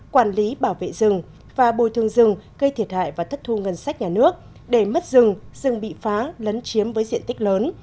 quản lý bảo vệ rừng và bồi thường rừng gây thiệt hại và thất thu ngân sách nhà nước để mất rừng rừng rừng rừng bị phá lấn chiếm với diện tích lớn